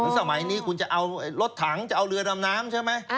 สมัยนี้รถถังจะเอาเรือดำน้ำใช่ไหม